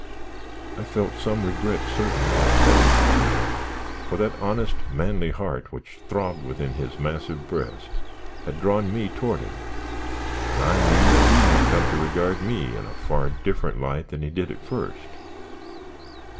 I felt some regret certainly at parting with Biddon, for that honest, manly heart which throbbed within his massive breast had drawn me toward him, and I knew he had come to regard me in a far different light than he did at first.